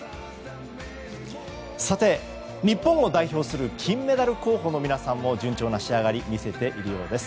さて、日本を代表する金メダル候補の皆さんも順調な仕上がりを見せているようです。